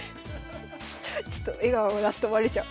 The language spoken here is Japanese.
ちょっと笑顔を出すとバレちゃう。